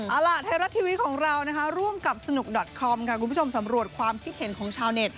เอาล่ะไทยรัฐทีวีของเรานะคะร่วมกับสนุกดอตคอมค่ะคุณผู้ชมสำรวจความคิดเห็นของชาวเน็ต